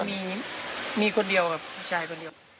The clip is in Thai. มีคนเดียวกับผู้ชายคนเดียว